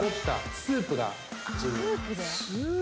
スープを。